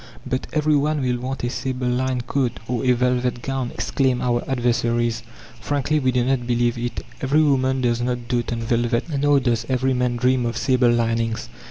"But every one will want a sable lined coat or a velvet gown!" exclaim our adversaries. Frankly, we do not believe it. Every woman does not dote on velvet nor does every man dream of sable linings.